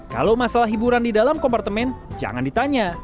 kalau masalah hiburan di dalam kompartemen jangan ditanya